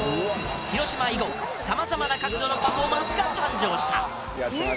広島以後様々な角度のパフォーマンスが誕生した。